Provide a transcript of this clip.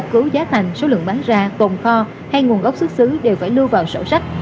cứ giá thành số lượng bán ra tồn kho hay nguồn gốc xuất xứ đều phải lưu vào sổ sách